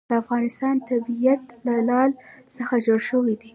د افغانستان طبیعت له لعل څخه جوړ شوی دی.